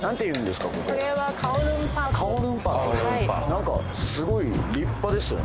なんかすごい立派ですよね